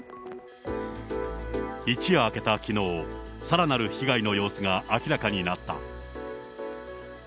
一夜明けたきのう、さらなる被害の様子が明らかになった。